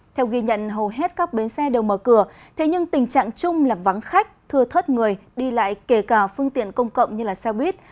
theo ghi nhận hầu hết các bến xe đều mở cửa thế nhưng tình trạng chung là vắng khách thưa thớt người đi lại kể cả phương tiện công cộng như xe buýt